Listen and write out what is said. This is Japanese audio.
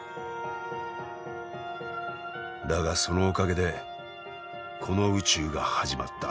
だがそのおかげでこの宇宙が始まった。